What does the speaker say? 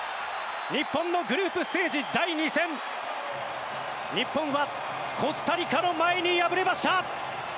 日本のグループステージ第２戦日本はコスタリカの前に敗れました。